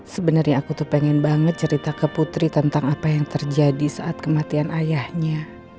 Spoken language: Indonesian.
sebenarnya aku tuh pengen banget cerita ke putri tentang apa yang terjadi saat kematian ayahnya